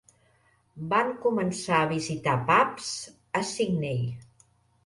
Van començar a visitar pubs a Sidney.